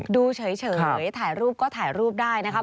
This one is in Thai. ดูเฉยถ่ายรูปก็ถ่ายรูปได้นะครับ